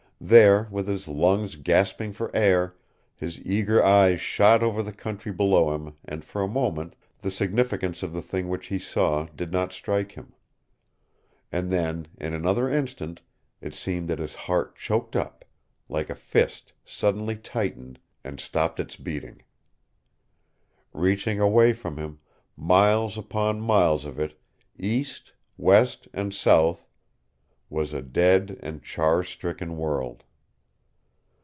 There, with his lungs gasping for air, his eager eyes shot over the country below him and for a moment the significance of the thing which he saw did not strike him. And then in another instant it seemed that his heart choked up, like a fist suddenly tightened, and stopped its beating. Reaching away from him, miles upon miles of it, east, west and south was a dead and char stricken world.